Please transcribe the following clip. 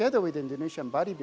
sudah dibina bersama dengan